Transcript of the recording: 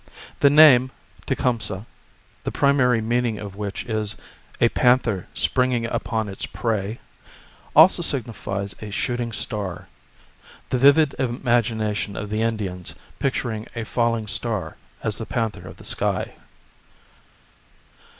The name, Tecumseh, the primary meaning of which is " a panther springing upon its prey," also signifies a shooting star, the vivid imagination of the Indians picturing a falling star as the panther of the sky.